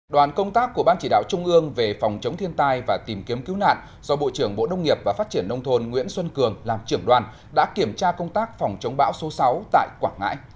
đoàn công tác của ban chỉ đạo trung ương về phòng chống thiên tai và tìm kiếm cứu nạn do bộ trưởng bộ nông nghiệp và phát triển nông thôn nguyễn xuân cường làm trưởng đoàn đã kiểm tra công tác phòng chống bão số sáu tại quảng ngãi